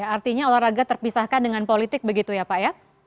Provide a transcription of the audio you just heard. artinya olahraga terpisahkan dengan politik begitu ya pak ya